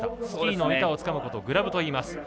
スキーの板をつかむことをグラブといいます。